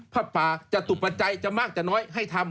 กะถินพ่อจะตุประใจจะมากจะน้อยให้ทำ